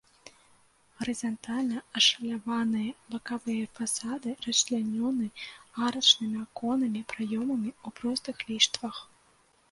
Гарызантальна ашаляваныя бакавыя фасады расчлянёны арачнымі аконнымі праёмамі ў простых ліштвах.